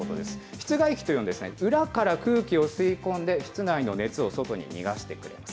室外機というのは、裏から空気を吸い込んで、室内の熱を外に逃がしてくれます。